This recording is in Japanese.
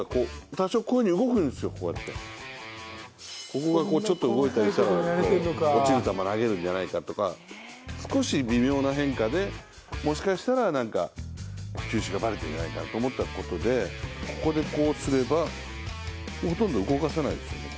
ここがちょっと動いたりしたら落ちる球投げるんじゃないかとか少し微妙な変化で、もしかしたら球種がばれてるんじゃないかと思ったことでここでこうすればほとんど動かさないですよね。